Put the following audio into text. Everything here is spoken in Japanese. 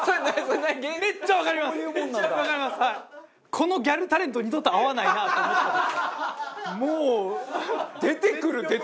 このギャルタレント二度と会わないなと思った時。